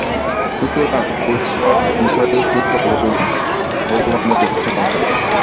সুতরাং ও-সব বিষয়ের চেষ্টা কর না, ভগবানের উপাসনা কর।